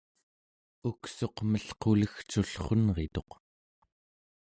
uksuq melqulegcullrunrituq